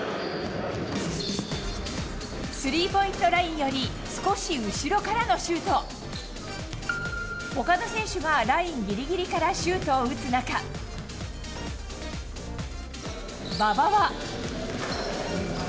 スリーポイントラインよりすこしうしろからのしゅーとほかの選手がラインぎりぎりからシュートを打つ中、馬場は。